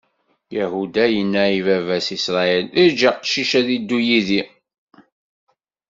Yahuda yenna i baba-s, Isṛayil: Eǧǧ aqcic ad iddu yid-i.